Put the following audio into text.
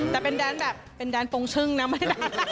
แต่เป็นแดนแบบเป็นแดนปงชึ่งนะไม่ได้